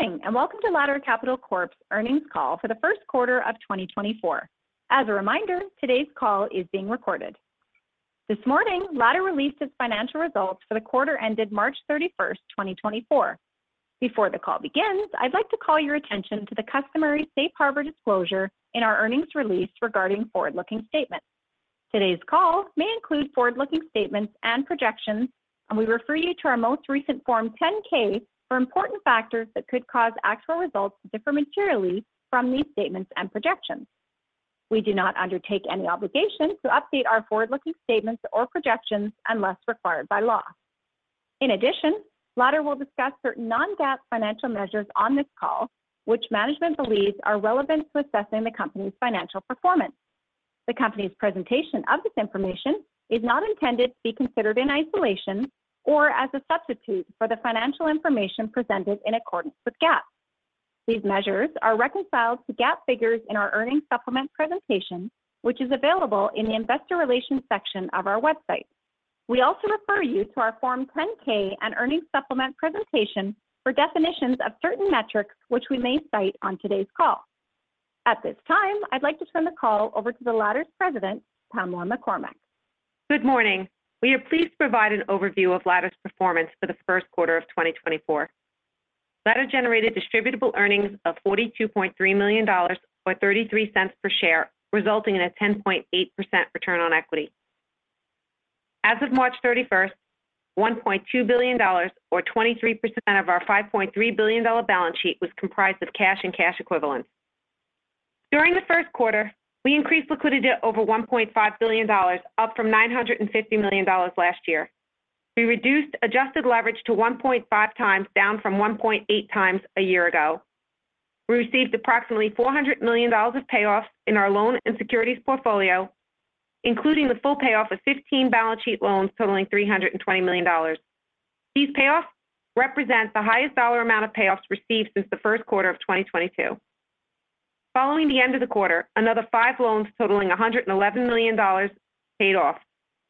Good morning and welcome to Ladder Capital Corp's earnings call for the first quarter of 2024. As a reminder, today's call is being recorded. This morning, Ladder released its financial results for the quarter ended March 31, 2024. Before the call begins, I'd like to call your attention to the customary safe harbor disclosure in our earnings release regarding forward-looking statements. Today's call may include forward-looking statements and projections, and we refer you to our most recent Form 10-K for important factors that could cause actual results to differ materially from these statements and projections. We do not undertake any obligation to update our forward-looking statements or projections unless required by law. In addition, Ladder will discuss certain non-GAAP financial measures on this call, which management believes are relevant to assessing the company's financial performance. The company's presentation of this information is not intended to be considered in isolation or as a substitute for the financial information presented in accordance with GAAP. These measures are reconciled to GAAP figures in our earnings supplement presentation, which is available in the investor relations section of our website. We also refer you to our Form 10-K and earnings supplement presentation for definitions of certain metrics which we may cite on today's call. At this time, I'd like to turn the call over to Ladder’s president, Pamela McCormack. Good morning. We are pleased to provide an overview of Ladder's performance for the first quarter of 2024. Ladder generated distributable earnings of $42.3 million or $0.33 per share, resulting in a 10.8% return on equity. As of March 31, $1.2 billion or 23% of our $5.3 billion balance sheet was comprised of cash and cash equivalents. During the first quarter, we increased liquidity over $1.5 billion, up from $950 million last year. We reduced adjusted leverage to 1.5 times down from 1.8 times a year ago. We received approximately $400 million of payoffs in our loan and securities portfolio, including the full payoff of 15 balance sheet loans totaling $320 million. These payoffs represent the highest dollar amount of payoffs received since the first quarter of 2022. Following the end of the quarter, another five loans totaling $111 million paid off,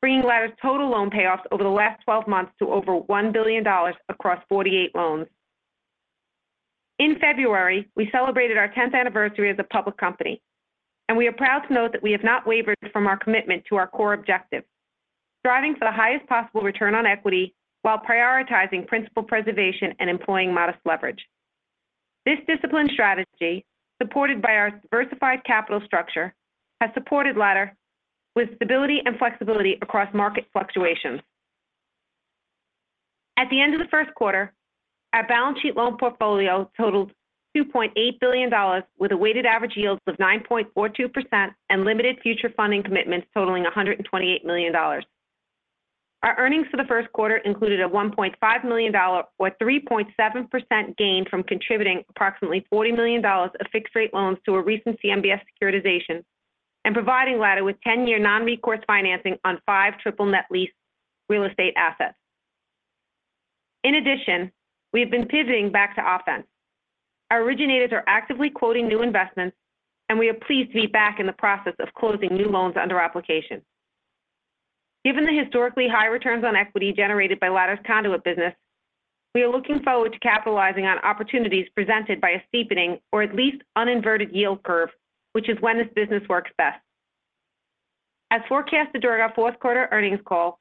bringing Ladder's total loan payoffs over the last 12 months to over $1 billion across 48 loans. In February, we celebrated our 10th anniversary as a public company, and we are proud to note that we have not wavered from our commitment to our core objective, striving for the highest possible return on equity while prioritizing principal preservation and employing modest leverage. This disciplined strategy, supported by our diversified capital structure, has supported Ladder with stability and flexibility across market fluctuations. At the end of the first quarter, our balance sheet loan portfolio totaled $2.8 billion, with a weighted average yield of 9.42% and limited future funding commitments totaling $128 million. Our earnings for the first quarter included a $1.5 million or 3.7% gain from contributing approximately $40 million of fixed-rate loans to a recent CMBS securitization and providing Ladder with 10-year non-recourse financing on five triple net lease real estate assets. In addition, we have been pivoting back to offense. Our originators are actively quoting new investments, and we are pleased to be back in the process of closing new loans under application. Given the historically high returns on equity generated by Ladder's conduit business, we are looking forward to capitalizing on opportunities presented by a steepening or at least uninverted yield curve, which is when this business works best. As forecasted during our fourth quarter earnings call,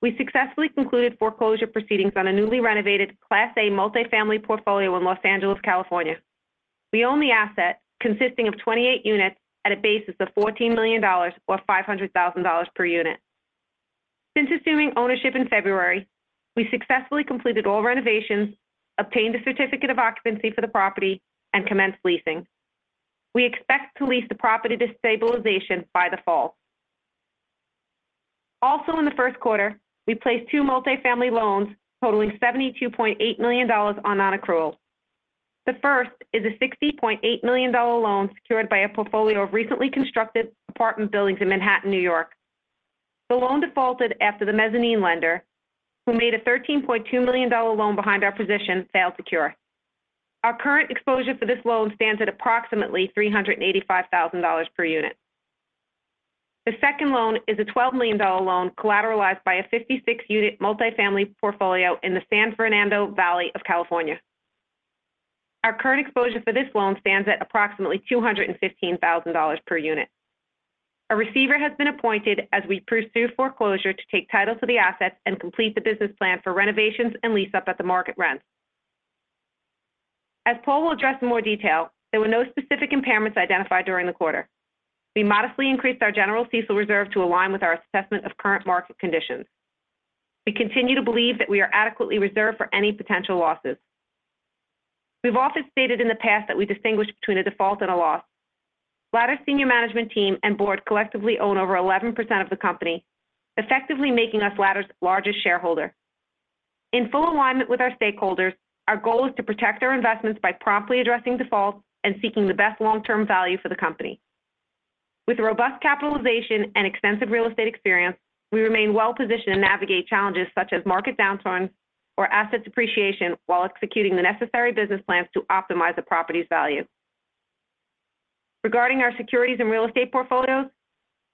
we successfully concluded foreclosure proceedings on a newly renovated Class A multifamily portfolio in Los Angeles, California. We own the asset consisting of 28 units at a basis of $14 million or $500,000 per unit. Since assuming ownership in February, we successfully completed all renovations, obtained a certificate of occupancy for the property, and commenced leasing. We expect to lease the property to stabilization by the fall. Also in the first quarter, we placed two multifamily loans totaling $72.8 million on non-accrual. The first is a $60.8 million loan secured by a portfolio of recently constructed apartment buildings in Manhattan, New York. The loan defaulted after the mezzanine lender, who made a $13.2 million loan behind our position, failed to cure. Our current exposure for this loan stands at approximately $385,000 per unit. The second loan is a $12 million loan collateralized by a 56-unit multifamily portfolio in the San Fernando Valley of California. Our current exposure for this loan stands at approximately $215,000 per unit. A receiver has been appointed as we pursue foreclosure to take title to the assets and complete the business plan for renovations and lease-up at the market rent. As Paul will address in more detail, there were no specific impairments identified during the quarter. We modestly increased our general CECL reserve to align with our assessment of current market conditions. We continue to believe that we are adequately reserved for any potential losses. We've often stated in the past that we distinguish between a default and a loss. Ladder's senior management team and board collectively own over 11% of the company, effectively making us Ladder's largest shareholder. In full alignment with our stakeholders, our goal is to protect our investments by promptly addressing defaults and seeking the best long-term value for the company. With robust capitalization and extensive real estate experience, we remain well-positioned to navigate challenges such as market downturns or asset depreciation while executing the necessary business plans to optimize the property's value. Regarding our securities and real estate portfolios,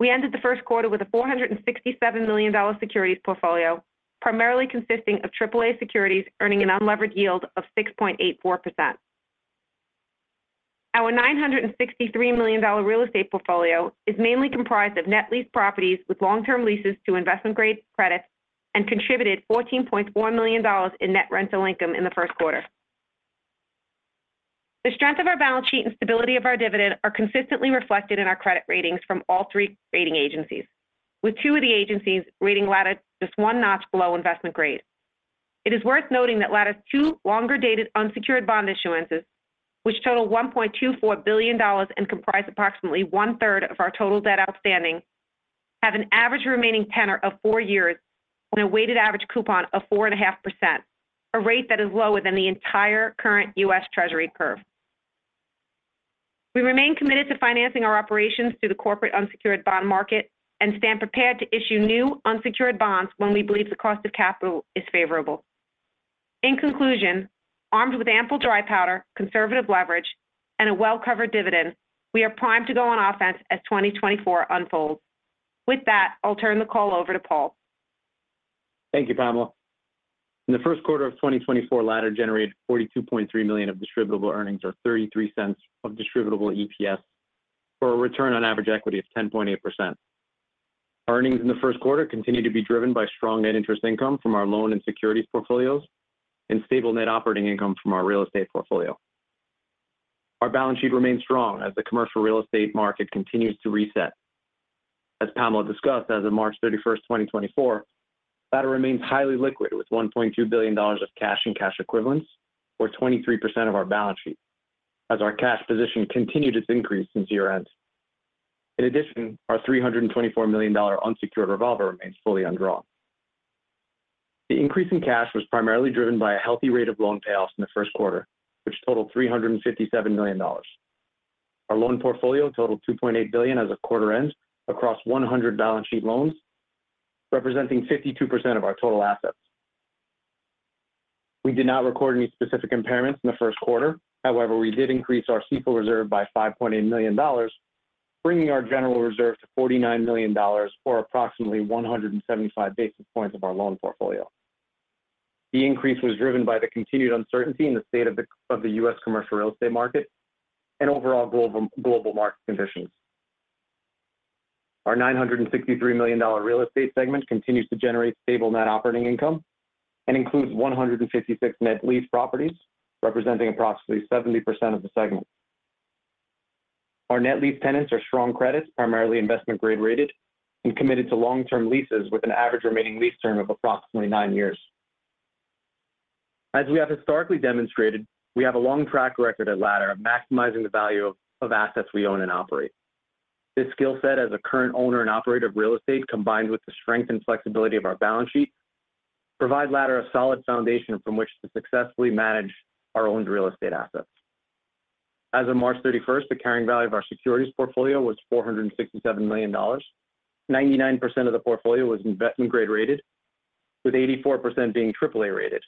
we ended the first quarter with a $467 million securities portfolio, primarily consisting of AAA securities earning an unlevered yield of 6.84%. Our $963 million real estate portfolio is mainly comprised of net leased properties with long-term leases to investment-grade credits and contributed $14.4 million in net rental income in the first quarter. The strength of our balance sheet and stability of our dividend are consistently reflected in our credit ratings from all three rating agencies, with two of the agencies rating Ladder just one notch below investment grade. It is worth noting that Ladder's two longer-dated unsecured bond issuances, which total $1.24 billion and comprise approximately one-third of our total debt outstanding, have an average remaining tenor of four years and a weighted average coupon of 4.5%, a rate that is lower than the entire current U.S. Treasury curve. We remain committed to financing our operations through the corporate unsecured bond market and stand prepared to issue new unsecured bonds when we believe the cost of capital is favorable. In conclusion, armed with ample dry powder, conservative leverage, and a well-covered dividend, we are primed to go on offense as 2024 unfolds. With that, I'll turn the call over to Paul. Thank you, Pamela. In the first quarter of 2024, Ladder generated $42.3 million of distributable earnings or $0.33 of distributable EPS for a return on average equity of 10.8%. Our earnings in the first quarter continue to be driven by strong net interest income from our loan and securities portfolios and stable net operating income from our real estate portfolio. Our balance sheet remains strong as the commercial real estate market continues to reset. As Pamela discussed, as of March 31, 2024, Ladder remains highly liquid with $1.2 billion of cash and cash equivalents, or 23% of our balance sheet, as our cash position continued its increase since year-end. In addition, our $324 million unsecured revolver remains fully undrawn. The increase in cash was primarily driven by a healthy rate of loan payoffs in the first quarter, which totaled $357 million. Our loan portfolio totaled $2.8 billion as of quarter-end across 100 balance sheet loans, representing 52% of our total assets. We did not record any specific impairments in the first quarter. However, we did increase our CECL reserve by $5.8 million, bringing our general reserve to $49 million or approximately 175 basis points of our loan portfolio. The increase was driven by the continued uncertainty in the state of the U.S. commercial real estate market and overall global market conditions. Our $963 million real estate segment continues to generate stable net operating income and includes 156 net leased properties, representing approximately 70% of the segment. Our net lease tenants are strong credits, primarily investment-grade rated, and committed to long-term leases with an average remaining lease term of approximately nine years. As we have historically demonstrated, we have a long track record at Ladder of maximizing the value of assets we own and operate. This skill set as a current owner and operator of real estate, combined with the strength and flexibility of our balance sheet, provides Ladder a solid foundation from which to successfully manage our owned real estate assets. As of March 31, the carrying value of our securities portfolio was $467 million. 99% of the portfolio was investment-grade rated, with 84% being AAA rated,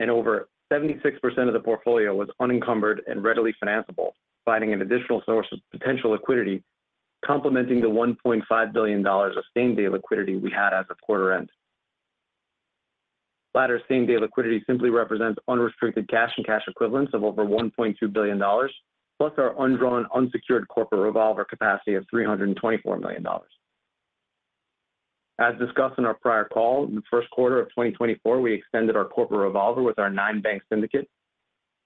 and over 76% of the portfolio was unencumbered and readily financeable, finding an additional source of potential liquidity complementing the $1.5 billion of same-day liquidity we had as of quarter-end. Ladder's same-day liquidity simply represents unrestricted cash and cash equivalents of over $1.2 billion, plus our undrawn unsecured corporate revolver capacity of $324 million. As discussed in our prior call, in the first quarter of 2024, we extended our corporate revolver with our 9-bank syndicate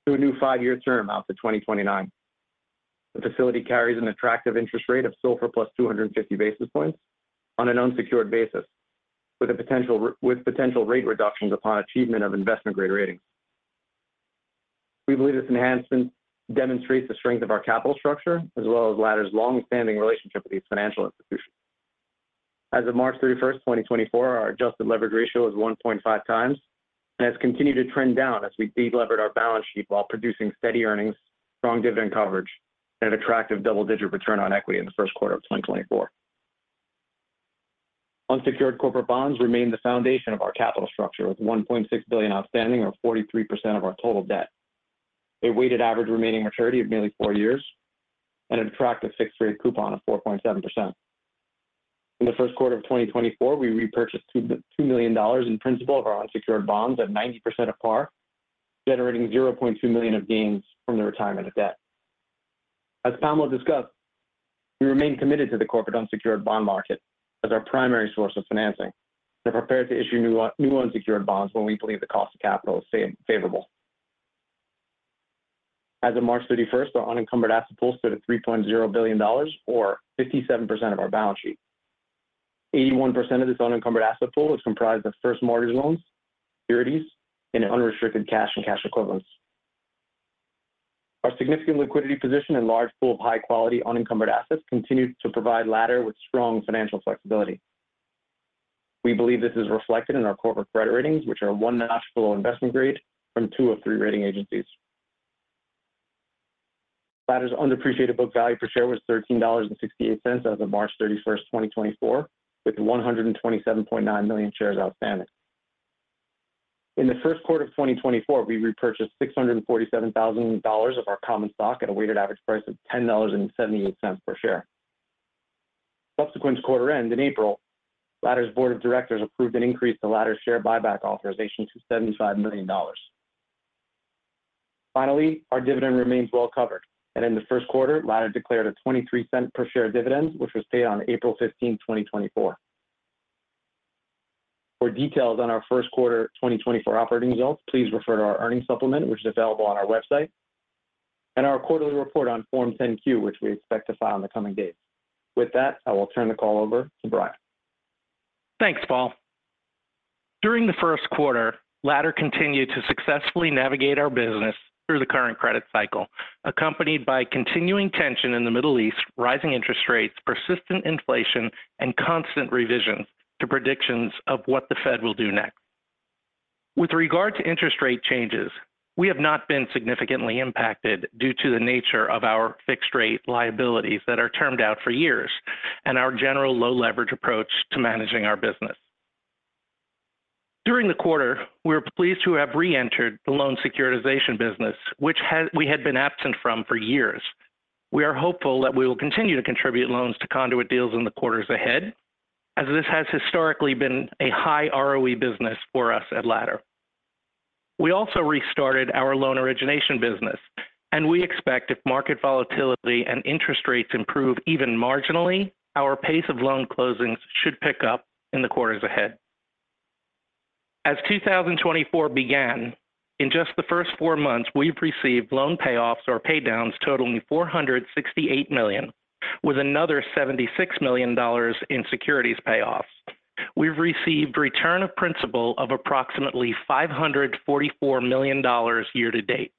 to a new five-year term out to 2029. The facility carries an attractive interest rate of SOFR plus 250 basis points on an unsecured basis, with potential rate reductions upon achievement of investment-grade ratings. We believe this enhancement demonstrates the strength of our capital structure as well as Ladder's long-standing relationship with these financial institutions. As of March 31, 2024, our adjusted leverage ratio is 1.5 times and has continued to trend down as we de-levered our balance sheet while producing steady earnings, strong dividend coverage, and an attractive double-digit return on equity in the first quarter of 2024. Unsecured corporate bonds remain the foundation of our capital structure with $1.6 billion outstanding or 43% of our total debt, a weighted average remaining maturity of nearly four years, and an attractive fixed-rate coupon of 4.7%. In the first quarter of 2024, we repurchased $2 million in principal of our unsecured bonds at 90% of par, generating $0.2 million of gains from the retirement of debt. As Pamela discussed, we remain committed to the corporate unsecured bond market as our primary source of financing and are prepared to issue new unsecured bonds when we believe the cost of capital is favorable. As of March 31, our unencumbered asset pool stood at $3.0 billion or 57% of our balance sheet. 81% of this unencumbered asset pool is comprised of first mortgage loans, securities, and unrestricted cash and cash equivalents. Our significant liquidity position and large pool of high-quality unencumbered assets continue to provide Ladder with strong financial flexibility. We believe this is reflected in our corporate credit ratings, which are one notch below investment grade from two of three rating agencies. Ladder's underappreciated book value per share was $13.68 as of March 31, 2024, with 127.9 million shares outstanding. In the first quarter of 2024, we repurchased $647,000 of our common stock at a weighted average price of $10.78 per share. Subsequent to quarter-end in April, Ladder's board of directors approved an increase to Ladder's share buyback authorization to $75 million. Finally, our dividend remains well-covered, and in the first quarter, Ladder declared a $0.23 per share dividend, which was paid on April 15, 2024. For details on our first quarter 2024 operating results, please refer to our earnings supplement, which is available on our website, and our quarterly report on Form 10-Q, which we expect to file in the coming days. With that, I will turn the call over to Brian. Thanks, Paul. During the first quarter, Ladder continued to successfully navigate our business through the current credit cycle, accompanied by continuing tension in the Middle East, rising interest rates, persistent inflation, and constant revisions to predictions of what the Fed will do next. With regard to interest rate changes, we have not been significantly impacted due to the nature of our fixed-rate liabilities that are termed out for years and our general low-leverage approach to managing our business. During the quarter, we are pleased to have reentered the loan securitization business, which we had been absent from for years. We are hopeful that we will continue to contribute loans to conduit deals in the quarters ahead, as this has historically been a high ROE business for us at Ladder. We also restarted our loan origination business, and we expect if market volatility and interest rates improve even marginally, our pace of loan closings should pick up in the quarters ahead. As 2024 began, in just the first four months, we've received loan payoffs or paydowns totaling $468 million, with another $76 million in securities payoffs. We've received return of principal of approximately $544 million year to date.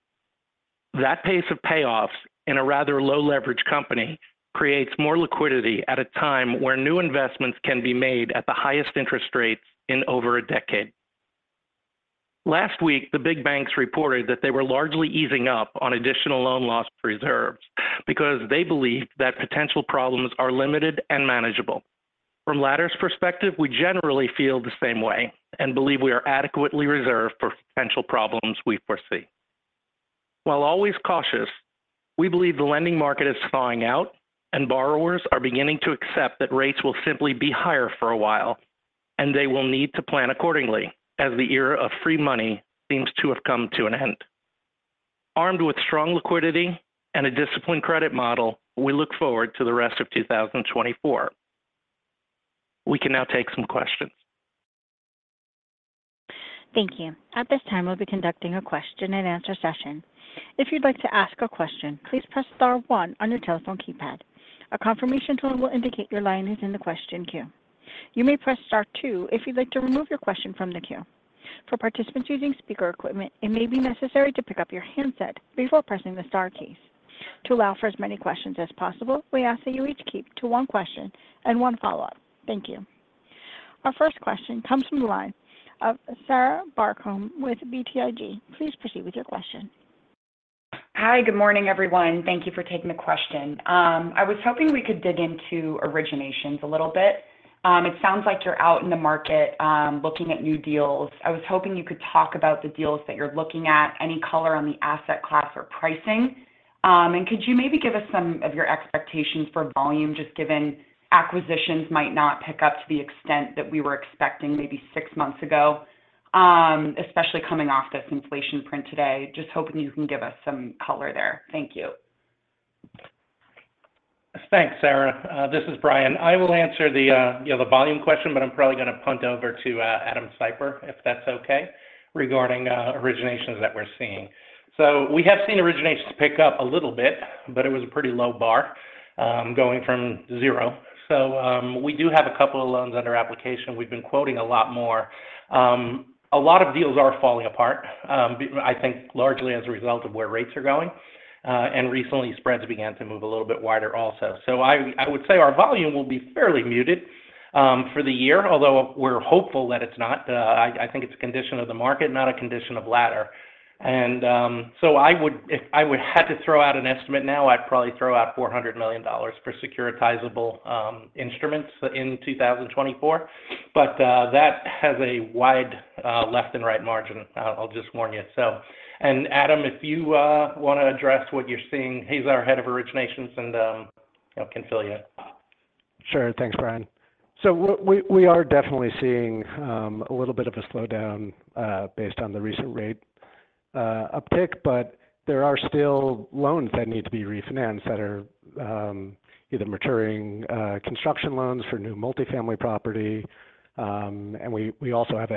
That pace of payoffs in a rather low-leverage company creates more liquidity at a time where new investments can be made at the highest interest rates in over a decade. Last week, the big banks reported that they were largely easing up on additional loan loss reserves because they believe that potential problems are limited and manageable. From Ladder's perspective, we generally feel the same way and believe we are adequately reserved for potential problems we foresee. While always cautious, we believe the lending market is thawing out and borrowers are beginning to accept that rates will simply be higher for a while, and they will need to plan accordingly as the era of free money seems to have come to an end. Armed with strong liquidity and a disciplined credit model, we look forward to the rest of 2024. We can now take some questions. Thank you. At this time, we'll be conducting a question-and-answer session. If you'd like to ask a question, please press star one on your telephone keypad. A confirmation tone will indicate your line is in the question queue. You may press star two if you'd like to remove your question from the queue. For participants using speaker equipment, it may be necessary to pick up your handset before pressing the star keys. To allow for as many questions as possible, we ask that you each keep to one question and one follow-up. Thank you. Our first question comes from the line of Sarah Barcomb with BTIG. Please proceed with your question. Hi, good morning, everyone. Thank you for taking the question. I was hoping we could dig into originations a little bit. It sounds like you're out in the market looking at new deals. I was hoping you could talk about the deals that you're looking at, any color on the asset class or pricing. Could you maybe give us some of your expectations for volume, just given acquisitions might not pick up to the extent that we were expecting maybe six months ago, especially coming off this inflation print today? Just hoping you can give us some color there. Thank you. Thanks, Sarah. This is Brian. I will answer the volume question, but I'm probably going to punt over to Adam Siper if that's okay regarding originations that we're seeing. So we have seen originations pick up a little bit, but it was a pretty low bar going from zero. So we do have a couple of loans under application. We've been quoting a lot more. A lot of deals are falling apart, I think, largely as a result of where rates are going. And recently, spreads began to move a little bit wider also. So I would say our volume will be fairly muted for the year, although we're hopeful that it's not. I think it's a condition of the market, not a condition of Ladder. And so if I would have to throw out an estimate now, I'd probably throw out $400 million for securitizable instruments in 2024. But that has a wide left and right margin, I'll just warn you. And Adam, if you want to address what you're seeing, he's our head of originations and can fill you in. Sure. Thanks, Brian. So we are definitely seeing a little bit of a slowdown based on the recent rate uptick, but there are still loans that need to be refinanced that are either maturing construction loans for new multifamily property. And we also have,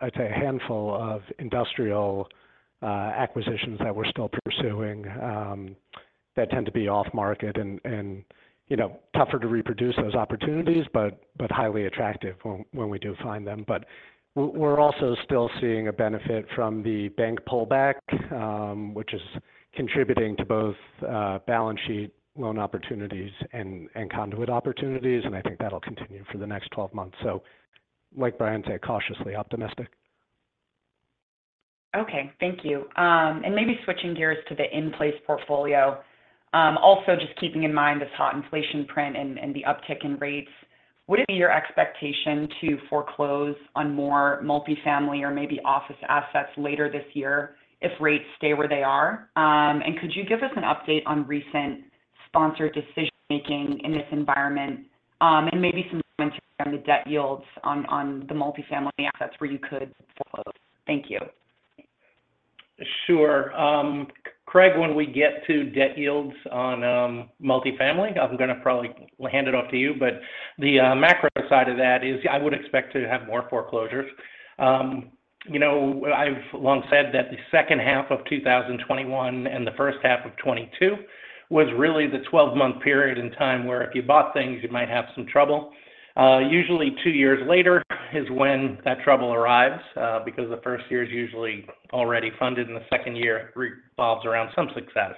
I'd say, a handful of industrial acquisitions that we're still pursuing that tend to be off-market and tougher to reproduce those opportunities, but highly attractive when we do find them. But we're also still seeing a benefit from the bank pullback, which is contributing to both balance sheet loan opportunities and conduit opportunities. And I think that'll continue for the next 12 months. So, like Brian said, cautiously optimistic. Okay. Thank you. And maybe switching gears to the in-place portfolio. Also, just keeping in mind this hot inflation print and the uptick in rates, would it be your expectation to foreclose on more multifamily or maybe office assets later this year if rates stay where they are? And could you give us an update on recent sponsored decision-making in this environment and maybe some commentary on the debt yields on the multifamily assets where you could foreclose? Thank you. Sure. Craig, when we get to debt yields on multifamily, I'm going to probably hand it off to you. But the macro side of that is I would expect to have more foreclosures. I've long said that the second half of 2021 and the first half of 2022 was really the 12-month period in time where if you bought things, you might have some trouble. Usually, two years later is when that trouble arrives because the first year is usually already funded, and the second year revolves around some success.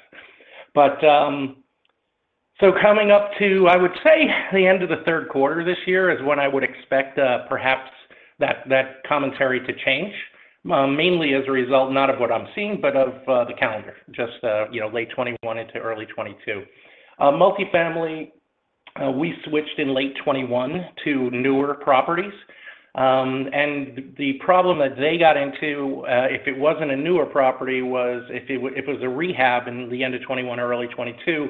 So coming up to, I would say, the end of the third quarter this year is when I would expect perhaps that commentary to change, mainly as a result not of what I'm seeing, but of the calendar, just late 2021 into early 2022. Multifamily, we switched in late 2021 to newer properties. The problem that they got into, if it wasn't a newer property, was if it was a rehab in the end of 2021, early 2022,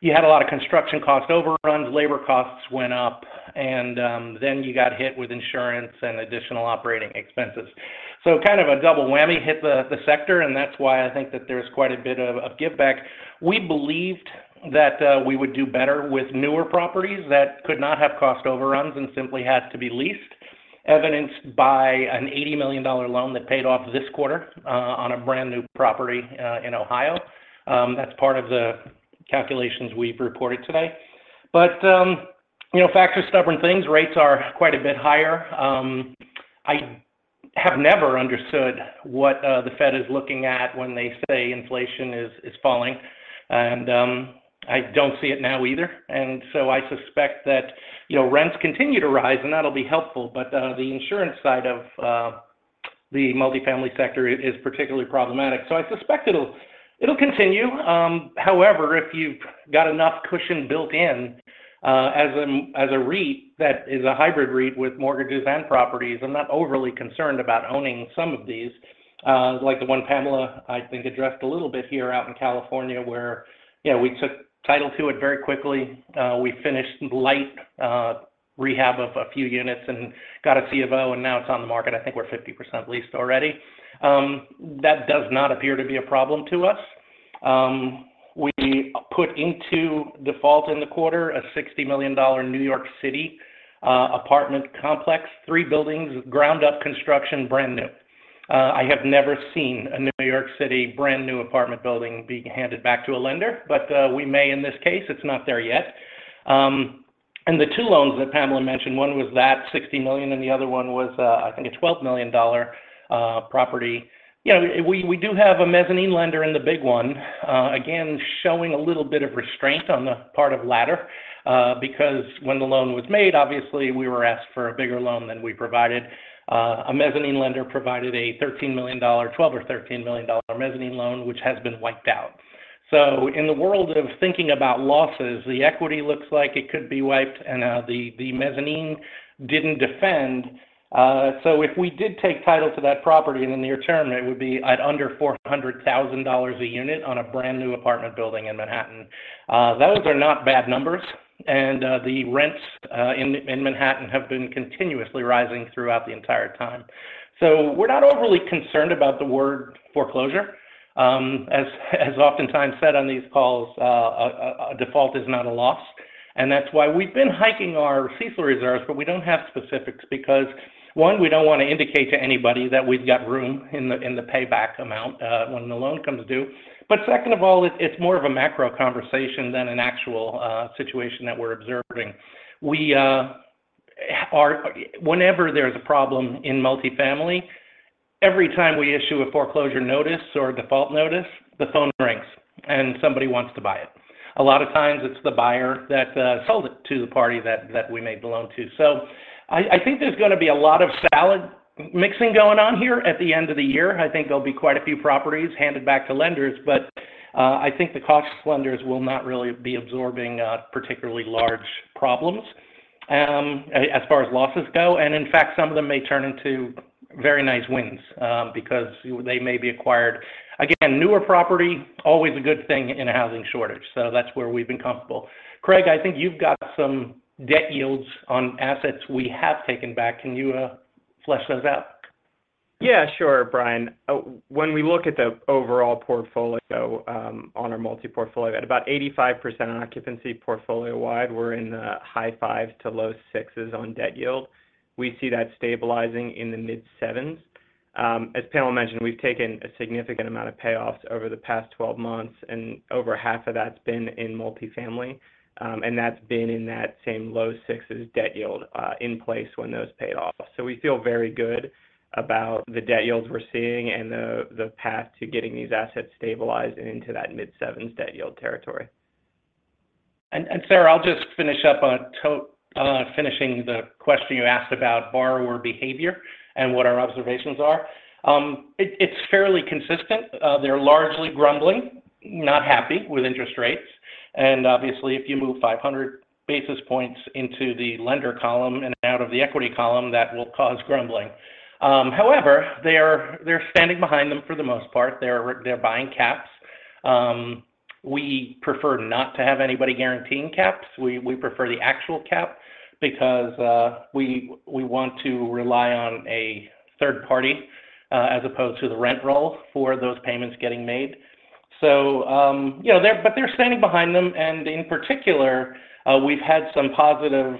you had a lot of construction cost overruns, labor costs went up, and then you got hit with insurance and additional operating expenses. So kind of a double whammy hit the sector, and that's why I think that there's quite a bit of give-back. We believed that we would do better with newer properties that could not have cost overruns and simply had to be leased, evidenced by an $80 million loan that paid off this quarter on a brand new property in Ohio. That's part of the calculations we've reported today. But facts are stubborn things. Rates are quite a bit higher. I have never understood what the Fed is looking at when they say inflation is falling. I don't see it now either. So I suspect that rents continue to rise, and that'll be helpful. But the insurance side of the multifamily sector is particularly problematic. So I suspect it'll continue. However, if you've got enough cushion built in as a REIT that is a hybrid REIT with mortgages and properties, I'm not overly concerned about owning some of these, like the one Pamela, I think, addressed a little bit here out in California where we took title to it very quickly. We finished light rehab of a few units and got a CO, and now it's on the market. I think we're 50% leased already. That does not appear to be a problem to us. We put into default in the quarter a $60 million New York City apartment complex, three buildings, ground-up construction, brand new. I have never seen a New York City brand new apartment building being handed back to a lender. But we may. In this case, it's not there yet. And the two loans that Pamela mentioned, one was that $60 million and the other one was, I think, a $12 million property. We do have a mezzanine lender in the big one, again, showing a little bit of restraint on the part of Ladder because when the loan was made, obviously, we were asked for a bigger loan than we provided. A mezzanine lender provided a $13 million, $12 or $13 million mezzanine loan, which has been wiped out. So in the world of thinking about losses, the equity looks like it could be wiped, and the mezzanine didn't defend. So if we did take title to that property in the near term, it would be at under $400,000 a unit on a brand new apartment building in Manhattan. Those are not bad numbers. And the rents in Manhattan have been continuously rising throughout the entire time. So we're not overly concerned about the word foreclosure. As oftentimes said on these calls, a default is not a loss. And that's why we've been hiking our CECL reserves, but we don't have specifics because, one, we don't want to indicate to anybody that we've got room in the payback amount when the loan comes due. But second of all, it's more of a macro conversation than an actual situation that we're observing. Whenever there's a problem in multifamily, every time we issue a foreclosure notice or default notice, the phone rings, and somebody wants to buy it. A lot of times, it's the buyer that sold it to the party that we made the loan to. So I think there's going to be a lot of salad mixing going on here at the end of the year. I think there'll be quite a few properties handed back to lenders, but I think the cost lenders will not really be absorbing particularly large problems as far as losses go. And in fact, some of them may turn into very nice wins because they may be acquired. Again, newer property, always a good thing in a housing shortage. So that's where we've been comfortable. Craig, I think you've got some debt yields on assets we have taken back. Can you flesh those out? Yeah, sure, Brian. When we look at the overall portfolio in our multifamily portfolio, at about 85% occupancy portfolio-wide, we're in the high five to low sixs on debt yield. We see that stabilizing in the mid-sevens. As Pamela mentioned, we've taken a significant amount of payoffs over the past 12 months, and over half of that's been in multifamily. And that's been in that same low 6s debt yield in place when those paid off. So we feel very good about the debt yields we're seeing and the path to getting these assets stabilized and into that mid-sevens debt yield territory. Sarah, I'll just finish up on finishing the question you asked about borrower behavior and what our observations are. It's fairly consistent. They're largely grumbling, not happy with interest rates. And obviously, if you move 500 basis points into the lender column and out of the equity column, that will cause grumbling. However, they're standing behind them for the most part. They're buying caps. We prefer not to have anybody guaranteeing caps. We prefer the actual cap because we want to rely on a third party as opposed to the rent roll for those payments getting made. But they're standing behind them. And in particular, we've had some positive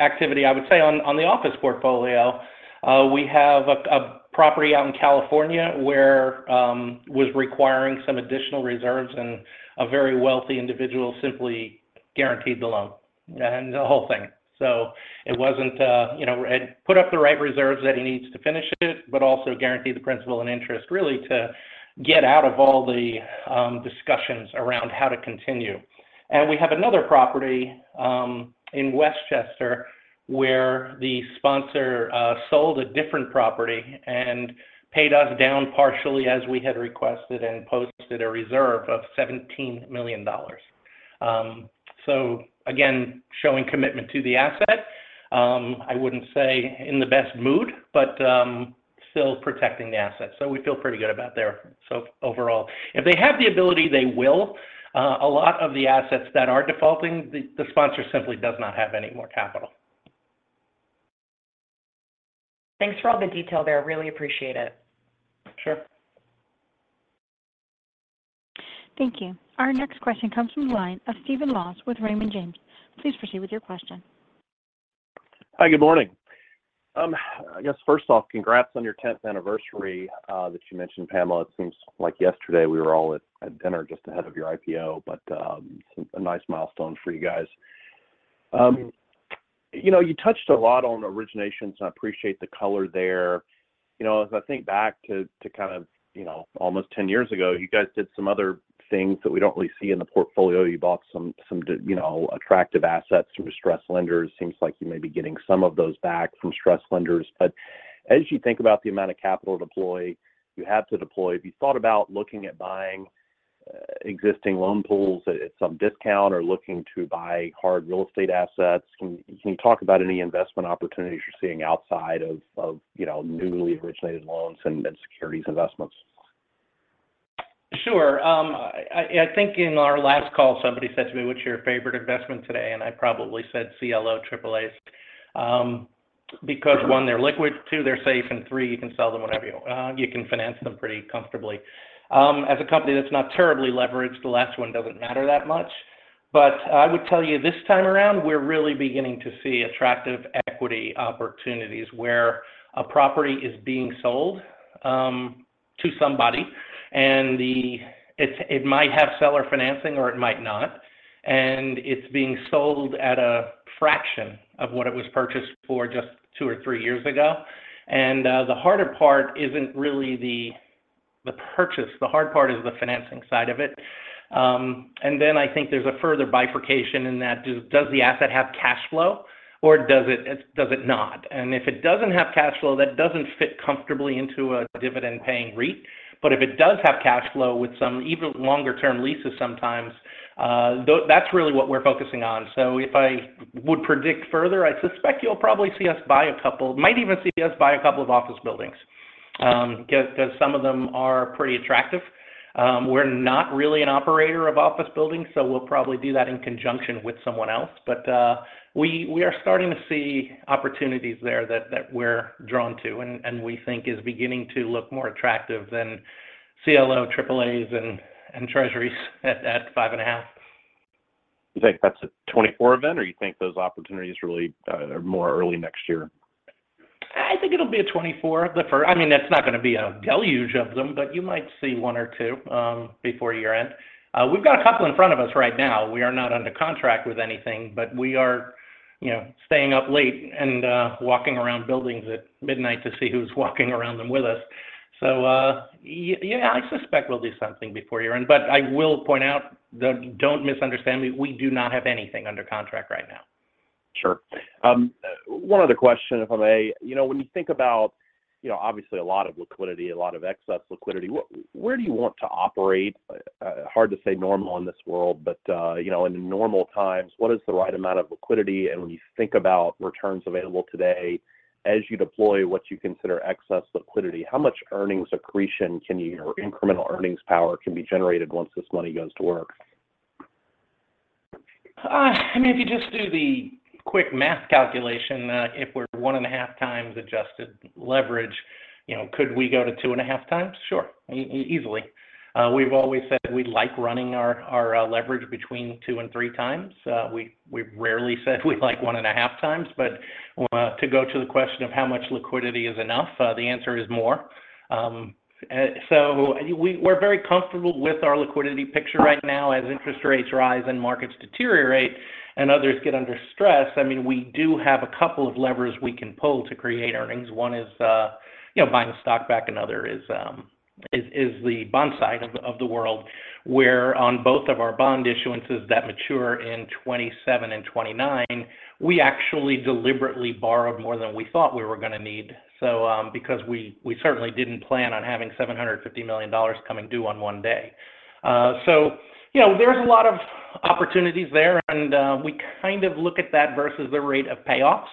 activity, I would say, on the office portfolio. We have a property out in California where it was requiring some additional reserves, and a very wealthy individual simply guaranteed the loan and the whole thing. So it wasn't put up the right reserves that he needs to finish it, but also guaranteed the principal and interest, really, to get out of all the discussions around how to continue. We have another property in Westchester where the sponsor sold a different property and paid us down partially as we had requested and posted a reserve of $17 million. Again, showing commitment to the asset. I wouldn't say in the best mood, but still protecting the asset. We feel pretty good about their overall. If they have the ability, they will. A lot of the assets that are defaulting, the sponsor simply does not have any more capital. Thanks for all the detail there. Really appreciate it. Sure. Thank you. Our next question comes from the line of Stephen Laws with Raymond James. Please proceed with your question. Hi. Good morning. I guess, first off, congrats on your 10th anniversary that you mentioned, Pamela. It seems like yesterday, we were all at dinner just ahead of your IPO, but a nice milestone for you guys. You touched a lot on originations, and I appreciate the color there. As I think back to kind of almost 10 years ago, you guys did some other things that we don't really see in the portfolio. You bought some attractive assets through stress lenders. Seems like you may be getting some of those back from stress lenders. But as you think about the amount of capital deploy you have to deploy, if you thought about looking at buying existing loan pools at some discount or looking to buy hard real estate assets, can you talk about any investment opportunities you're seeing outside of newly originated loans and securities investments? Sure. I think in our last call, somebody said to me, "What's your favorite investment today?" And I probably said CLO AAAs because, one, they're liquid. Two, they're safe. And three, you can sell them whenever you want. You can finance them pretty comfortably. As a company that's not terribly leveraged, the last one doesn't matter that much. But I would tell you, this time around, we're really beginning to see attractive equity opportunities where a property is being sold to somebody, and it might have seller financing or it might not. And it's being sold at a fraction of what it was purchased for just two or three years ago. And the harder part isn't really the purchase. The hard part is the financing side of it. And then I think there's a further bifurcation in that. Does the asset have cash flow, or does it not? If it doesn't have cash flow, that doesn't fit comfortably into a dividend-paying REIT. If it does have cash flow with some even longer-term leases sometimes, that's really what we're focusing on. If I would predict further, I suspect you'll probably see us buy a couple might even see us buy a couple of office buildings because some of them are pretty attractive. We're not really an operator of office buildings, so we'll probably do that in conjunction with someone else. We are starting to see opportunities there that we're drawn to and we think is beginning to look more attractive than CLO AAAs and treasuries at 5.5. You think that's a 2024 event, or do you think those opportunities really are more early next year? I think it'll be a 2024. I mean, it's not going to be a deluge of them, but you might see one or two before year-end. We've got a couple in front of us right now. We are not under contract with anything, but we are staying up late and walking around buildings at midnight to see who's walking around them with us. So yeah, I suspect we'll do something before year-end. But I will point out, don't misunderstand me, we do not have anything under contract right now. Sure. One other question, if I may. When you think about obviously, a lot of liquidity, a lot of excess liquidity, where do you want to operate? Hard to say normal in this world, but in normal times, what is the right amount of liquidity? And when you think about returns available today, as you deploy what you consider excess liquidity, how much earnings accretion can you or incremental earnings power can be generated once this money goes to work? I mean, if you just do the quick math calculation, if we're 1.5 times adjusted leverage, could we go to 2.5 times? Sure, easily. We've always said we'd like running our leverage between two-three times. We've rarely said we'd like 1.5 times. But to go to the question of how much liquidity is enough, the answer is more. So we're very comfortable with our liquidity picture right now. As interest rates rise and markets deteriorate and others get under stress, I mean, we do have a couple of levers we can pull to create earnings. One is buying stock back. Another is the bond side of the world where, on both of our bond issuances that mature in 2027 and 2029, we actually deliberately borrowed more than we thought we were going to need because we certainly didn't plan on having $750 million coming due on one day. So there's a lot of opportunities there. And we kind of look at that versus the rate of payoffs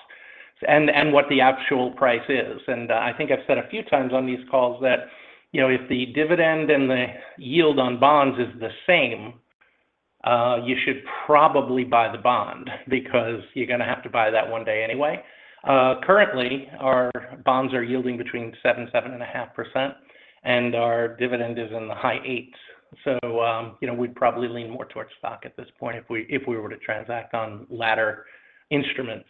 and what the actual price is. And I think I've said a few times on these calls that if the dividend and the yield on bonds is the same, you should probably buy the bond because you're going to have to buy that one day anyway. Currently, our bonds are yielding between 7%-7.5%, and our dividend is in the high 8s%. So we'd probably lean more towards stock at this point if we were to transact on Ladder instruments.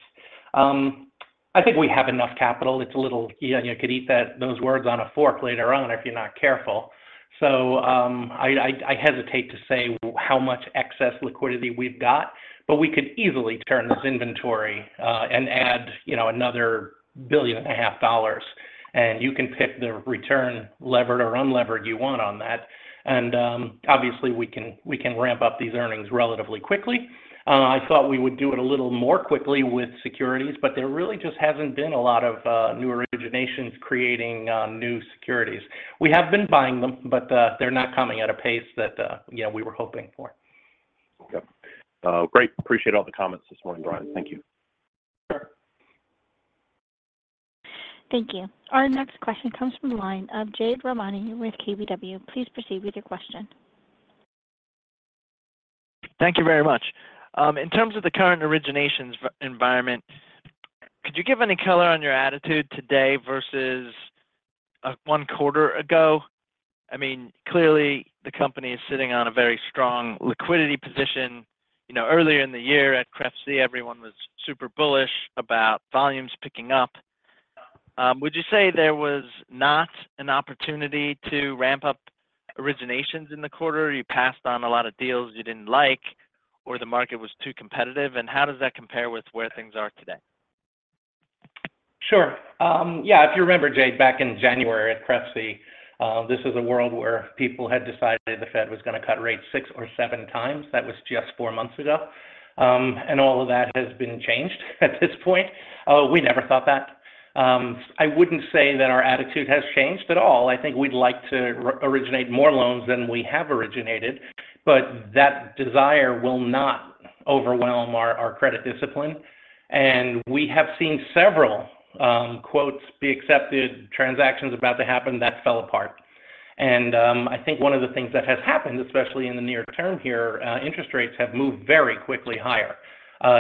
I think we have enough capital. It's a little you could eat those words on a fork later on if you're not careful. So I hesitate to say how much excess liquidity we've got, but we could easily turn this inventory and add another $1.5 billion. And you can pick the return levered or unlevered you want on that. And obviously, we can ramp up these earnings relatively quickly. I thought we would do it a little more quickly with securities, but there really just hasn't been a lot of new originations creating new securities. We have been buying them, but they're not coming at a pace that we were hoping for. Okay. Great. Appreciate all the comments this morning, Brian. Thank you. Sure. Thank you. Our next question comes from the line of Jade Rahmani with KBW. Please proceed with your question. Thank you very much. In terms of the current originations environment, could you give any color on your attitude today versus one quarter ago? I mean, clearly, the company is sitting on a very strong liquidity position. Earlier in the year at CREFC, everyone was super bullish about volumes picking up. Would you say there was not an opportunity to ramp up originations in the quarter? You passed on a lot of deals you didn't like, or the market was too competitive? And how does that compare with where things are today? Sure. Yeah. If you remember, Jade, back in January at CREFC, this is a world where people had decided the Fed was going to cut rates six or seven times. That was just four months ago. And all of that has been changed at this point. We never thought that. I wouldn't say that our attitude has changed at all. I think we'd like to originate more loans than we have originated, but that desire will not overwhelm our credit discipline. And we have seen several "be accepted" transactions about to happen that fell apart. And I think one of the things that has happened, especially in the near term here, interest rates have moved very quickly higher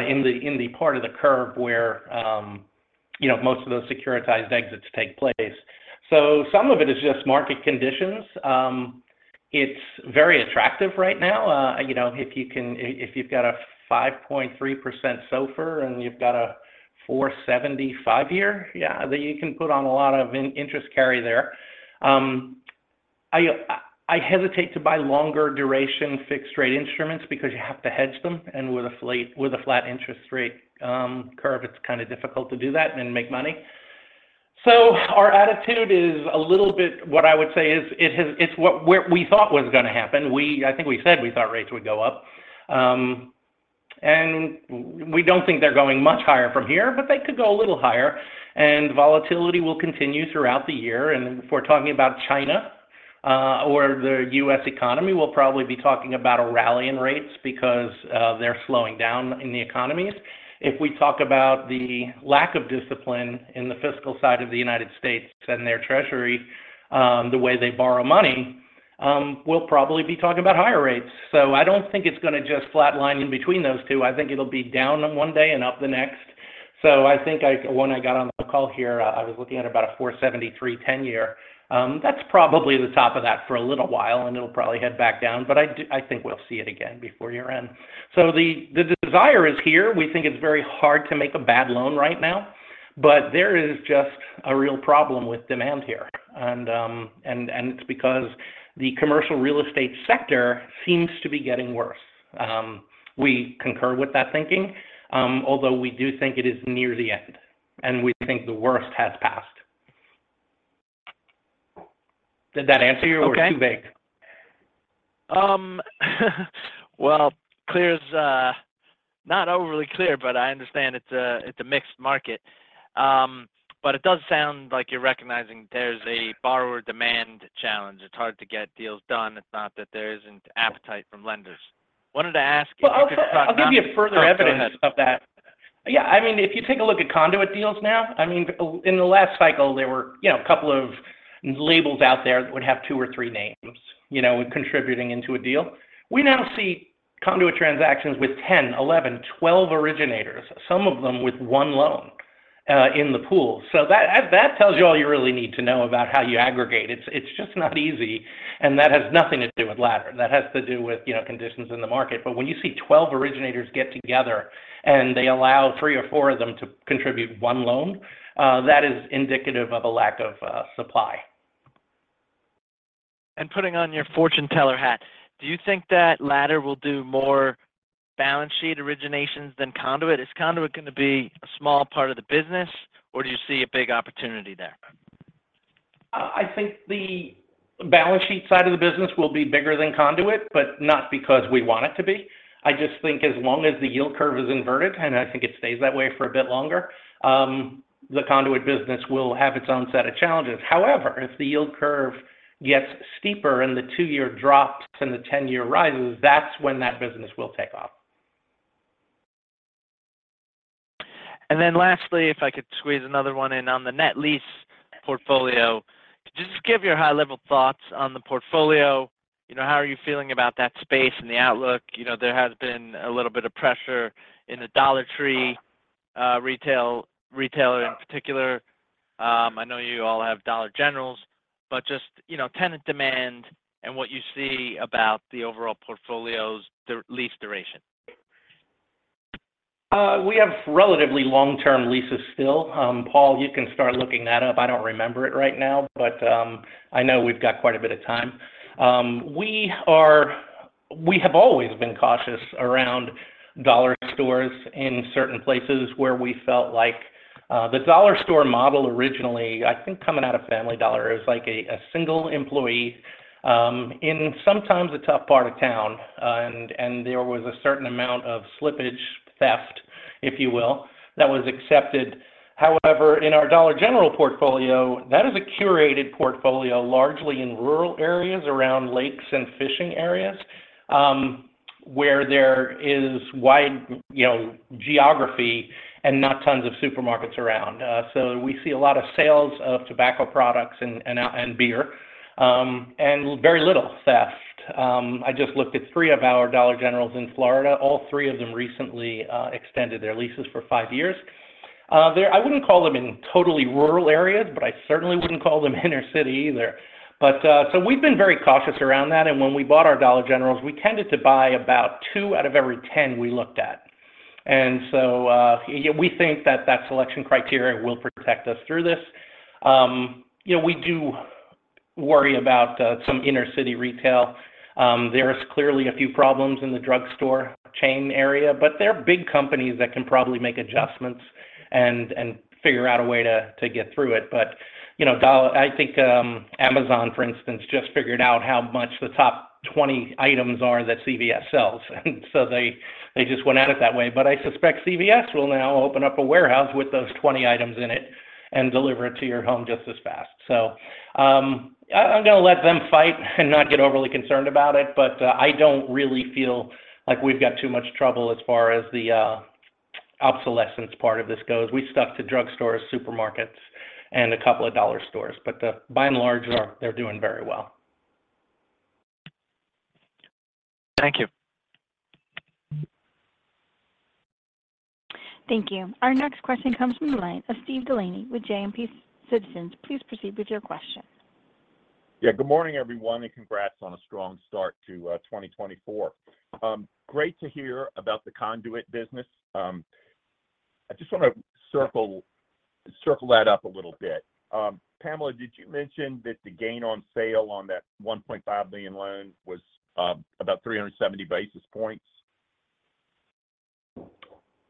in the part of the curve where most of those securitized exits take place. So some of it is just market conditions. It's very attractive right now. If you've got a 5.3% SOFR and you've got a 470 five-year, yeah, then you can put on a lot of interest carry there. I hesitate to buy longer-duration fixed-rate instruments because you have to hedge them. And with a flat interest rate curve, it's kind of difficult to do that and make money. So our attitude is a little bit what I would say is it's what we thought was going to happen. I think we said we thought rates would go up. And we don't think they're going much higher from here, but they could go a little higher. And volatility will continue throughout the year. And if we're talking about China or the U.S. economy, we'll probably be talking about a rally in rates because they're slowing down in the economies. If we talk about the lack of discipline in the fiscal side of the United States and their Treasury, the way they borrow money, we'll probably be talking about higher rates. So I don't think it's going to just flat line in between those two. I think it'll be down one day and up the next. So I think when I got on the call here, I was looking at about a 4.73 10-year. That's probably the top of that for a little while, and it'll probably head back down. But I think we'll see it again before year-end. So the desire is here. We think it's very hard to make a bad loan right now, but there is just a real problem with demand here. And it's because the commercial real estate sector seems to be getting worse. We concur with that thinking, although we do think it is near the end, and we think the worst has passed. Did that answer you, or was it too vague? Well, clear is not overly clear, but I understand it's a mixed market. But it does sound like you're recognizing there's a borrower demand challenge. It's hard to get deals done. It's not that there isn't appetite from lenders. What did I ask you? Because we're talking about. Well, I'll give you further evidence of that. Yeah. I mean, if you take a look at conduit deals now, I mean, in the last cycle, there were a couple of labels out there that would have two or three names contributing into a deal. We now see conduit transactions with 10, 11, 12 originators, some of them with one loan in the pool. So that tells you all you really need to know about how you aggregate. It's just not easy. And that has nothing to do with Ladder. That has to do with conditions in the market. But when you see 12 originators get together and they allow three or four of them to contribute one loan, that is indicative of a lack of supply. Putting on your fortune-teller hat, do you think that Ladder will do more balance sheet originations than Conduit? Is Conduit going to be a small part of the business, or do you see a big opportunity there? I think the balance sheet side of the business will be bigger than conduit, but not because we want it to be. I just think as long as the yield curve is inverted, and I think it stays that way for a bit longer, the conduit business will have its own set of challenges. However, if the yield curve gets steeper and the two-year drops and the 10-year rises, that's when that business will take off. Then lastly, if I could squeeze another one in on the net lease portfolio, could you just give your high-level thoughts on the portfolio? How are you feeling about that space and the outlook? There has been a little bit of pressure in the Dollar Tree retailer in particular. I know you all have Dollar Generals, but just tenant demand and what you see about the overall portfolios, the lease duration. We have relatively long-term leases still. Paul, you can start looking that up. I don't remember it right now, but I know we've got quite a bit of time. We have always been cautious around dollar stores in certain places where we felt like the dollar store model originally, I think coming out of Family Dollar, it was like a single employee in sometimes a tough part of town. And there was a certain amount of slippage, theft, if you will, that was accepted. However, in our Dollar General portfolio, that is a curated portfolio largely in rural areas around lakes and fishing areas where there is wide geography and not tons of supermarkets around. So we see a lot of sales of tobacco products and beer and very little theft. I just looked at three of our Dollar Generals in Florida. All three of them recently extended their leases for five years. I wouldn't call them in totally rural areas, but I certainly wouldn't call them inner-city either. So we've been very cautious around that. And when we bought our Dollar Generals, we tended to buy about two out of every 10 we looked at. And so we think that that selection criteria will protect us through this. We do worry about some inner-city retail. There are clearly a few problems in the drugstore chain area, but they're big companies that can probably make adjustments and figure out a way to get through it. But I think Amazon, for instance, just figured out how much the top 20 items are that CVS sells. And so they just went at it that way. But I suspect CVS will now open up a warehouse with those 20 items in it and deliver it to your home just as fast. So I'm going to let them fight and not get overly concerned about it. But I don't really feel like we've got too much trouble as far as the obsolescence part of this goes. We stuck to drugstores, supermarkets, and a couple of dollar stores. But by and large, they're doing very well. Thank you. Thank you. Our next question comes from the line of Steve Delaney with Citizens JMP. Please proceed with your question. Yeah. Good morning, everyone, and congrats on a strong start to 2024. Great to hear about the conduit business. I just want to circle that up a little bit. Pamela, did you mention that the gain on sale on that $1.5 million loan was about 370 basis points?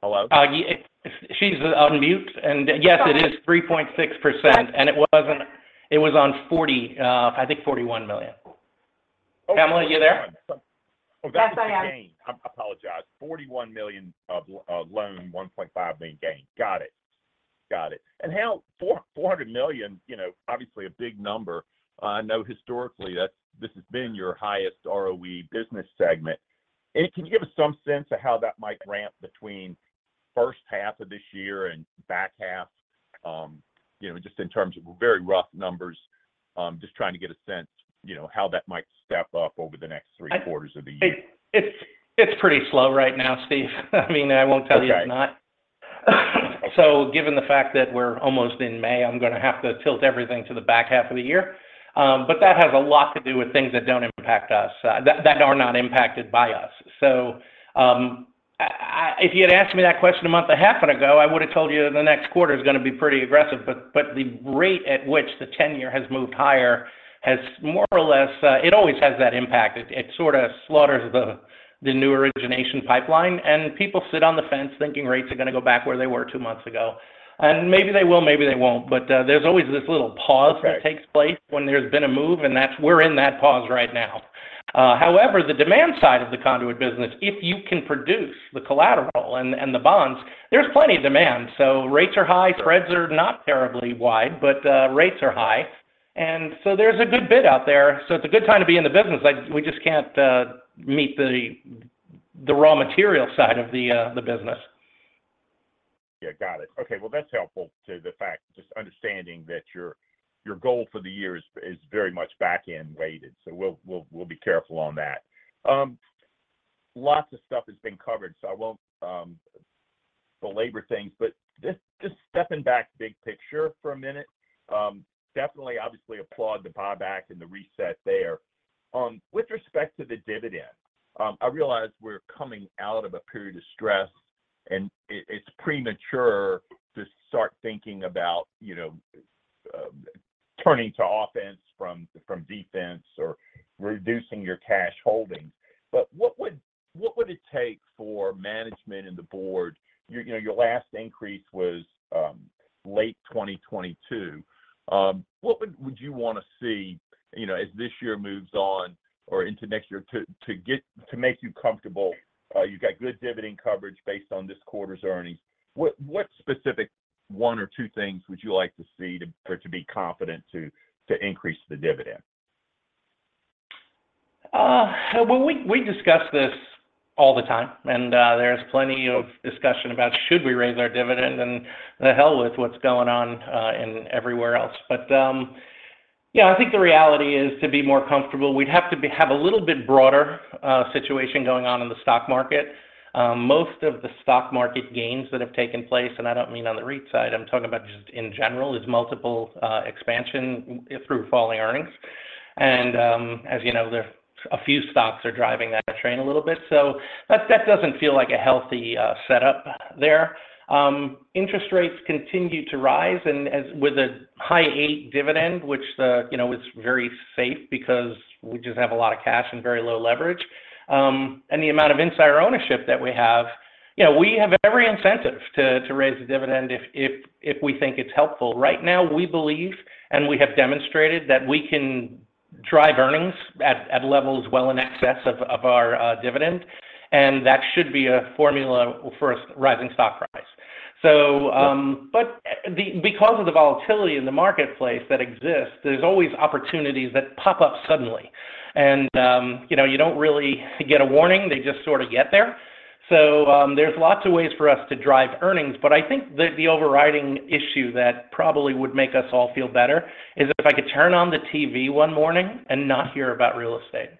Hello? She's on mute. Yes, it is 3.6%. It was on $40 million, I think, $41 million. Pamela, are you there? Yes, I am. Oh, that's the gain. I apologize. $41 million loan, $1.5 million gain. Got it. Got it. And $400 million, obviously, a big number. I know historically, this has been your highest ROE business segment. Can you give us some sense of how that might ramp between first half of this year and back half, just in terms of very rough numbers, just trying to get a sense how that might step up over the next three quarters of the year? It's pretty slow right now, Steve. I mean, I won't tell you it's not. So given the fact that we're almost in May, I'm going to have to tilt everything to the back half of the year. But that has a lot to do with things that don't impact us, that are not impacted by us. So if you had asked me that question a month and a half ago, I would have told you the next quarter is going to be pretty aggressive. But the rate at which the 10-year has moved higher has more or less it always has that impact. It sort of slaughters the new origination pipeline. And people sit on the fence thinking rates are going to go back where they were two months ago. And maybe they will, maybe they won't. But there's always this little pause that takes place when there's been a move, and we're in that pause right now. However, the demand side of the conduit business, if you can produce the collateral and the bonds, there's plenty of demand. So rates are high. Spreads are not terribly wide, but rates are high. And so there's a good bid out there. It's a good time to be in the business. We just can't meet the raw material side of the business. Yeah. Got it. Okay. Well, that's helpful to the fact, just understanding that your goal for the year is very much back-end weighted. So we'll be careful on that. Lots of stuff has been covered, so I won't belabor things. But just stepping back, big picture for a minute, definitely, obviously, applaud the buyback and the reset there. With respect to the dividend, I realize we're coming out of a period of stress, and it's premature to start thinking about turning to offense from defense or reducing your cash holdings. But what would it take for management and the board? Your last increase was late 2022. What would you want to see as this year moves on or into next year to make you comfortable? You've got good dividend coverage based on this quarter's earnings. What specific one or two things would you like to see for it to be confident to increase the dividend? Well, we discuss this all the time. There's plenty of discussion about should we raise our dividend and the hell with what's going on everywhere else. But yeah, I think the reality is to be more comfortable, we'd have to have a little bit broader situation going on in the stock market. Most of the stock market gains that have taken place - and I don't mean on the REIT side, I'm talking about just in general - is multiple expansion through falling earnings. And as you know, a few stocks are driving that train a little bit. So that doesn't feel like a healthy setup there. Interest rates continue to rise with a high 8% dividend, which is very safe because we just have a lot of cash and very low leverage. And the amount of insider ownership that we have, we have every incentive to raise the dividend if we think it's helpful. Right now, we believe, and we have demonstrated, that we can drive earnings at levels well in excess of our dividend. And that should be a formula for a rising stock price. But because of the volatility in the marketplace that exists, there's always opportunities that pop up suddenly. And you don't really get a warning. They just sort of get there. So there's lots of ways for us to drive earnings. But I think that the overriding issue that probably would make us all feel better is if I could turn on the TV one morning and not hear about real estate.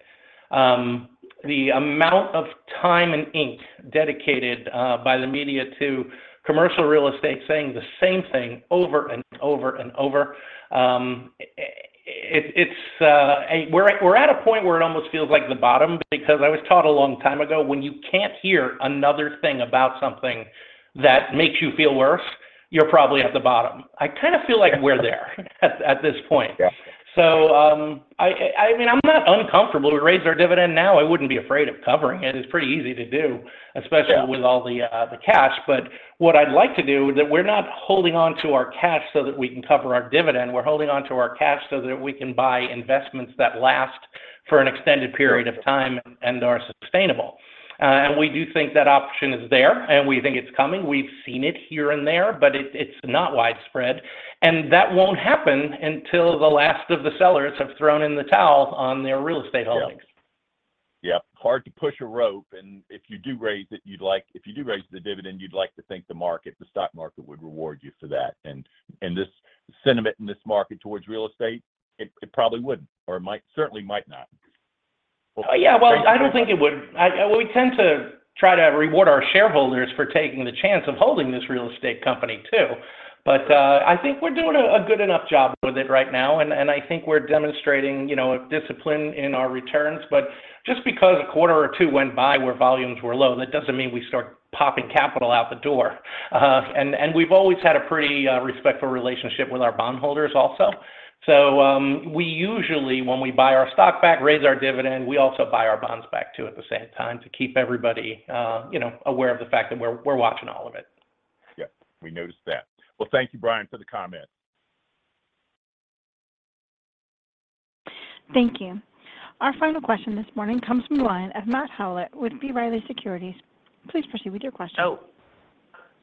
The amount of time and ink dedicated by the media to commercial real estate saying the same thing over and over and over. We're at a point where it almost feels like the bottom because I was taught a long time ago, when you can't hear another thing about something that makes you feel worse, you're probably at the bottom. I kind of feel like we're there at this point. So I mean, I'm not uncomfortable. We raised our dividend now. I wouldn't be afraid of covering it. It's pretty easy to do, especially with all the cash. But what I'd like to do, that we're not holding onto our cash so that we can cover our dividend. We're holding onto our cash so that we can buy investments that last for an extended period of time and are sustainable. We do think that option is there, and we think it's coming. We've seen it here and there, but it's not widespread. That won't happen until the last of the sellers have thrown in the towel on their real estate holdings. Yeah. Hard to push a rope. And if you do raise it, you'd like if you do raise the dividend, you'd like to think the market, the stock market, would reward you for that. And this sentiment in this market towards real estate, it probably wouldn't, or it certainly might not. Oh, yeah. Well, I don't think it would. We tend to try to reward our shareholders for taking the chance of holding this real estate company too. But I think we're doing a good enough job with it right now. And I think we're demonstrating discipline in our returns. But just because a quarter or two went by where volumes were low, that doesn't mean we start popping capital out the door. And we've always had a pretty respectful relationship with our bondholders also. So usually, when we buy our stock back, raise our dividend, we also buy our bonds back too at the same time to keep everybody aware of the fact that we're watching all of it. Yeah. We noticed that. Well, thank you, Brian, for the comments. Thank you. Our final question this morning comes from the line of Matt Howlett with B. Riley Securities. Please proceed with your question. Oh,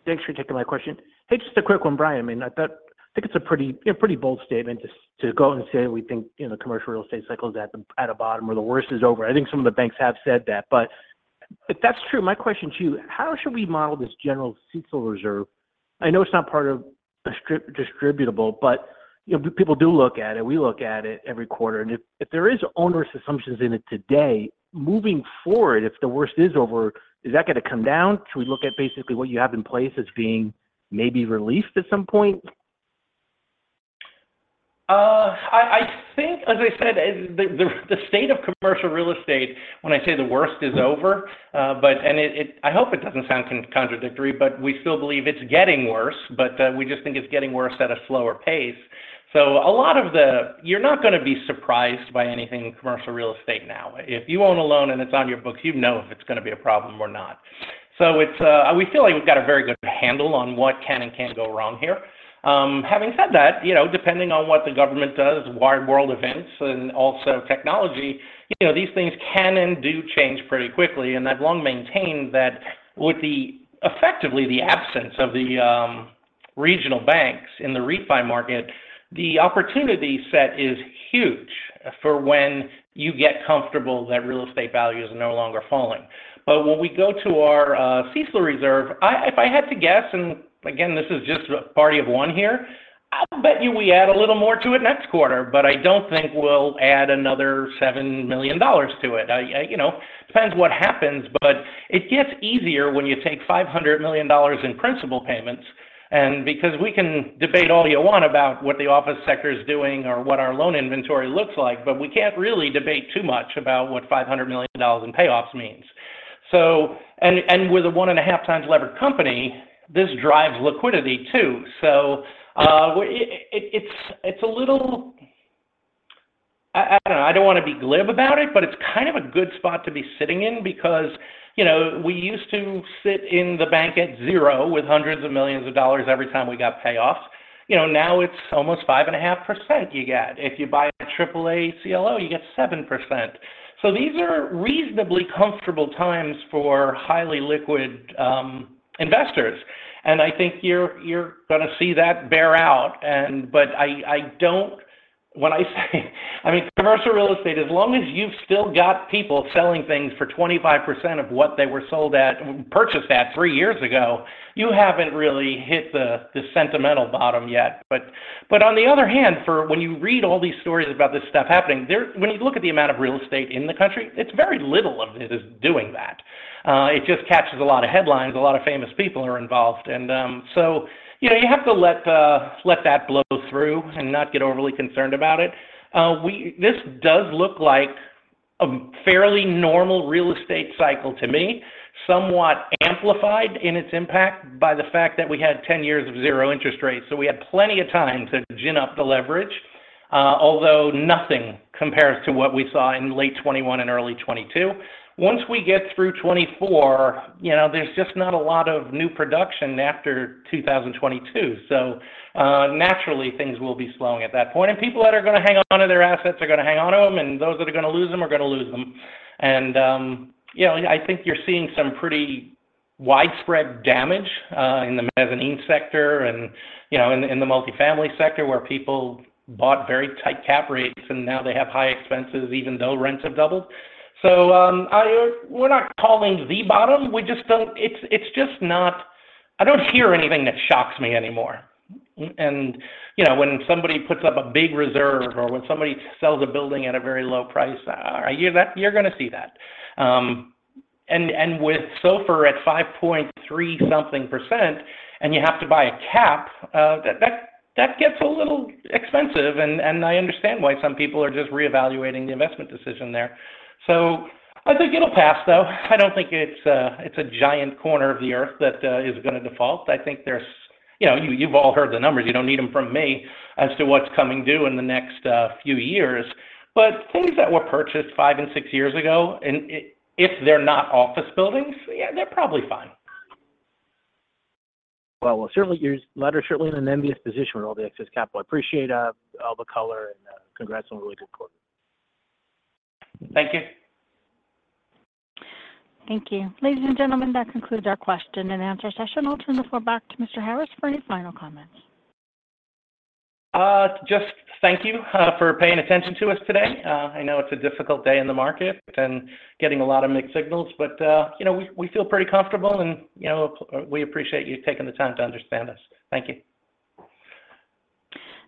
thanks for taking my question. Hey, just a quick one, Brian. I mean, I think it's a pretty bold statement to go and say we think commercial real estate cycle is at a bottom or the worst is over. I think some of the banks have said that. But if that's true, my question to you, how should we model this general CECL reserves? I know it's not part of a distributable, but people do look at it. We look at it every quarter. And if there are onerous assumptions in it today, moving forward, if the worst is over, is that going to come down? Should we look at basically what you have in place as being maybe relief at some point? I think, as I said, the state of commercial real estate, when I say the worst is over and I hope it doesn't sound contradictory, but we still believe it's getting worse. But we just think it's getting worse at a slower pace. So a lot of the, you're not going to be surprised by anything in commercial real estate now. If you own a loan and it's on your books, you know if it's going to be a problem or not. So we feel like we've got a very good handle on what can and can't go wrong here. Having said that, depending on what the government does, worldwide events, and also technology, these things can and do change pretty quickly. I've long maintained that with effectively the absence of the regional banks in the REIT buy market, the opportunity set is huge for when you get comfortable that real estate value is no longer falling. But when we go to our CECL reserve, if I had to guess, and again, this is just a party of one here, I'll bet you we add a little more to it next quarter. But I don't think we'll add another $7 million to it. Depends what happens. But it gets easier when you take $500 million in principal payments. And because we can debate all you want about what the office sector is doing or what our loan inventory looks like, but we can't really debate too much about what $500 million in payoffs means. And with a 1.5-times-levered company, this drives liquidity too. So it's a little. I don't know. I don't want to be glib about it, but it's kind of a good spot to be sitting in because we used to sit in the bank at zero with $hundreds of millions every time we got payoffs. Now it's almost 5.5% you get. If you buy a AAA CLO, you get 7%. So these are reasonably comfortable times for highly liquid investors. And I think you're going to see that bear out. But when I say I mean, commercial real estate, as long as you've still got people selling things for 25% of what they were sold at, purchased at 3 years ago, you haven't really hit the sentimental bottom yet. But on the other hand, when you read all these stories about this stuff happening, when you look at the amount of real estate in the country, it's very little of it is doing that. It just catches a lot of headlines. A lot of famous people are involved. And so you have to let that blow through and not get overly concerned about it. This does look like a fairly normal real estate cycle to me, somewhat amplified in its impact by the fact that we had 10 years of zero interest rates. So we had plenty of time to gin up the leverage, although nothing compares to what we saw in late 2021 and early 2022. Once we get through 2024, there's just not a lot of new production after 2022. So naturally, things will be slowing at that point. And people that are going to hang on to their assets are going to hang on to them. And those that are going to lose them are going to lose them. And I think you're seeing some pretty widespread damage in the mezzanine sector and in the multifamily sector where people bought very tight cap rates, and now they have high expenses even though rents have doubled. So we're not calling the bottom. It's just not. I don't hear anything that shocks me anymore. And when somebody puts up a big reserve or when somebody sells a building at a very low price, you're going to see that. And with SOFR at 5.3-something% and you have to buy a cap, that gets a little expensive. And I understand why some people are just reevaluating the investment decision there. So I think it'll pass, though. I don't think it's a giant corner of the earth that is going to default. I think you've all heard the numbers. You don't need them from me as to what's coming due in the next few years. But things that were purchased five and six years ago, if they're not office buildings, yeah, they're probably fine. Well, your Ladder is certainly in an envious position with all the excess capital. I appreciate all the color, and congrats on a really good quarter. Thank you. Thank you. Ladies and gentlemen, that concludes our question and answer session. I'll turn the floor back to Mr. Harris for any final comments. Just thank you for paying attention to us today. I know it's a difficult day in the market and getting a lot of mixed signals. But we feel pretty comfortable, and we appreciate you taking the time to understand us. Thank you.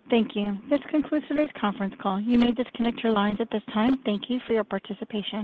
Thank you. This concludes today's conference call. You may disconnect your lines at this time. Thank you for your participation.